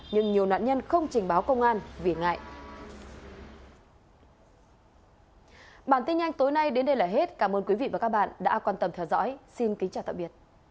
nhưng nhiều nạn nhân không trình báo công an vì ngại